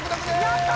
やった！